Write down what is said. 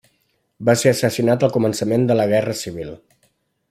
Va ser assassinat al començament de la Guerra civil.